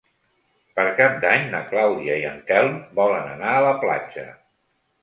Per Cap d'Any na Clàudia i en Telm volen anar a la platja.